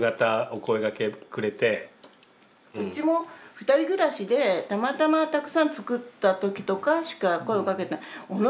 うちも２人暮らしでたまたまたくさん作った時とかしか声はかけない。